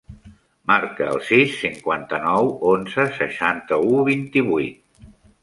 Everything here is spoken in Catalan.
Marca el sis, cinquanta-nou, onze, seixanta-u, vint-i-vuit.